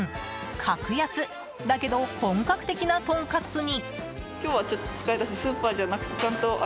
格安だけど本格的なとんかつに。